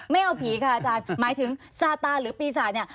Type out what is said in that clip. ไม่เอาผีค่ะอาจารย์หมายถึงซาตาหรือปีศาจเนี่ย